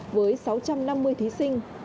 với sáu trăm năm mươi thí sinh